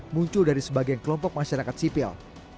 muncul dari sebagian kelompok masyarakat sipil